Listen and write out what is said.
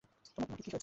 তোমার নাকে কি হয়েছে?